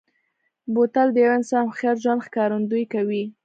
بوتل د یوه انسان هوښیار ژوند ښکارندوي کوي.